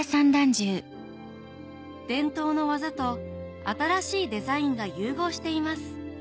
伝統の技と新しいデザインが融合しています